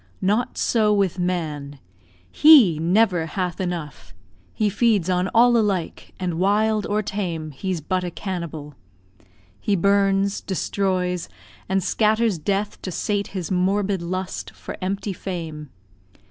Not so with man he never hath enough; He feeds on all alike; and, wild or tame, He's but a cannibal. He burns, destroys, And scatters death to sate his morbid lust For empty fame.